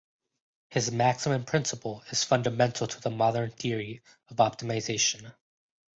His maximum principle is fundamental to the modern theory of optimization.